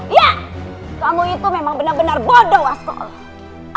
iya kamu itu memang benar benar bodoh waskol